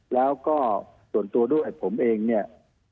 แล้วก็ส่วนตัวด้วยผมเองเนี่ย